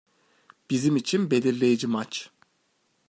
Bizim için belirleyici maç.